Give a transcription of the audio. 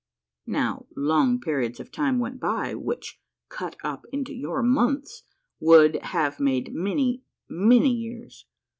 Now, long periods of time went by, which, cut up into your months, would have made many, many years.